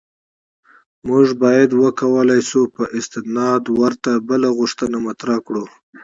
موږ باید وکولای شو په استناد ورته بله غوښتنه مطرح کړو.